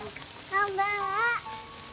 こんばんは。